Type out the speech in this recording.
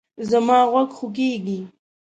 زما غوږ خوږیږي